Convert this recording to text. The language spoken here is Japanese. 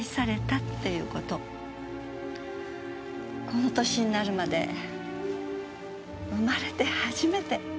この歳になるまで生まれて初めて。